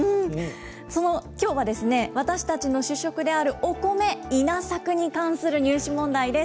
きょうは、私たちの主食であるお米、稲作に関する入試問題です。